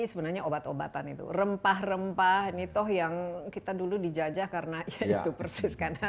sebenarnya obat obatan itu rempah rempah ini toh yang kita dulu dijajah karena ya itu persis karena